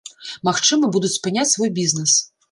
Магчыма, будуць спыняць свой бізнэс.